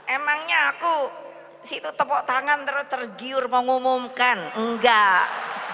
emangnya aku situ tepuk tangan terus tergiur mengumumkan enggak